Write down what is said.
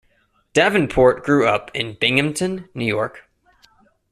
Davenport grew up in Binghamton, New York.